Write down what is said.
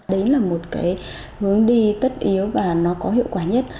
đấy là một cái hướng đi tất yếu và nó có hiệu quả nhất